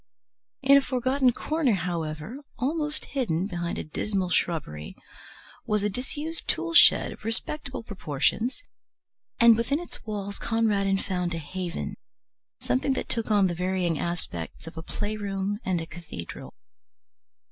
In a forgotten corner, however, almost hidden behind a dismal shrubbery, was a disused tool shed of respectable proportions, and within its walls Conradin found a haven, something that took on the varying aspects of a playroom and a cathedral.